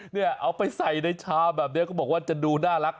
เอาไปใส่ในชามแบบนี้ก็บอกว่าจะดูน่ารัก